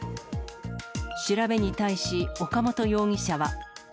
調べに対し、岡本容疑者は。